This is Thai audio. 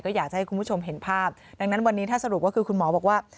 อยากจะให้คุณผู้ชมเห็นภาพดังนั้นวันนี้ถ้าสรุปก็คือคุณหมอบอกว่า